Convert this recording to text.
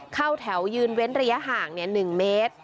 เข้าแถวยืนเว้นระยะห่าง๑เมตร